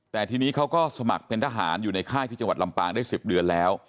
แต่ทีนี้เขาก็สมัครเป็นทหารอยู่ในค่ายที่จังหวัดลำปางได้๑๐เดือนแล้ว